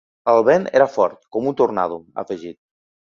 El vent era fort com un tornado, ha afegit.